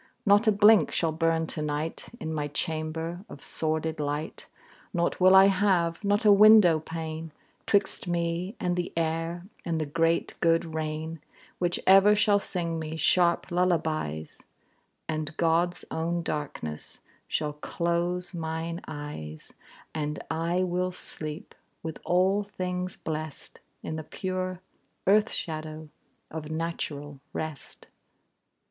Not a blink shall burn to night In my chamber, of sordid light; Nought will I have, not a window pane, 'Twixt me and the air and the great good rain, Which ever shall sing me sharp lullabies; And God's own darkness shall close mine eyes; And I will sleep, with all things blest, In the pure earth shadow of natural rest.